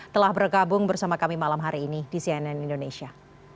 telah bergabung bersama kami malam hari ini di cnn indonesia